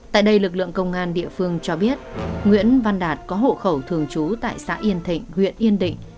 tại đây lực lượng công an địa phương cho biết nguyễn văn đạt có hộ khẩu thường trú tại xã yên thịnh huyện yên định